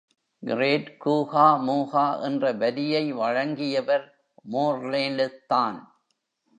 Great கூகா மூகா என்ற வரியை வழங்கியவர் மோர்லேண்ட் தான்!